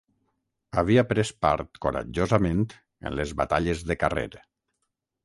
Havia pres part coratjosament en les batalles de carrer